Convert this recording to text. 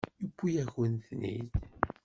Yewwi-yakent-ten-id.